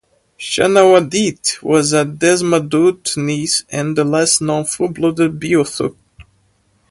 Shanawdithit was Demasduit's niece and the last known full-blooded Beothuk.